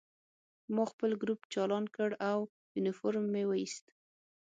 ما خپل ګروپ چالان کړ او یونیفورم مې وویست